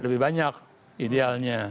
lebih banyak idealnya